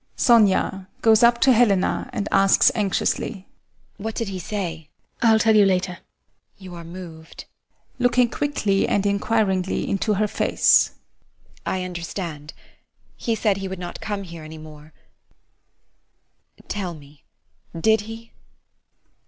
SONIA. [Goes up to HELENA and asks anxiously] What did he say? HELENA. I'll tell you later. SONIA. You are moved. [looking quickly and inquiringly into her face] I understand; he said he would not come here any more. [A pause] Tell me, did he?